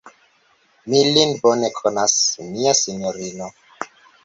Mi lin bone konas, mia sinjorino.